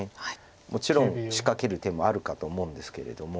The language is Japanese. もちろん仕掛ける手もあるかと思うんですけれども。